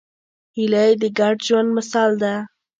هیلۍ د ګډ ژوند مثال ده